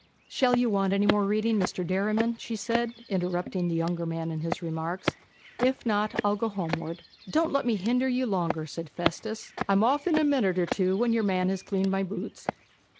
'Shall you want any more reading, Mr. Derriman?' said she, interrupting the younger man in his remarks. 'If not, I'll go homeward.' 'Don't let me hinder you longer,' said Festus. 'I'm off in a minute or two, when your man has cleaned my boots.'